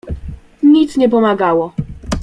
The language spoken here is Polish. "Nic nie pomagało."